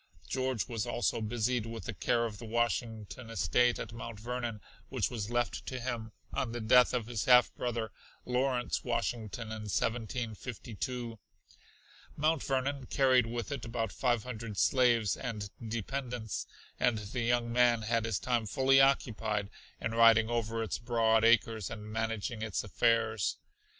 George was also busied with the care of the Washington estate at Mount Vernon, which was left to him on the death of his half brother, Lawrence Washington in 1752. Mount Vernon carried with it about five hundred slaves and dependents, and the young man had his time fully occupied in riding over its broad acres and managing its affairs.